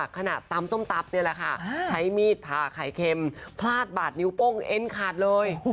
ขณะตำส้มตำนี่แหละค่ะใช้มีดผ่าไข่เค็มพลาดบาดนิ้วโป้งเอ็นขาดเลย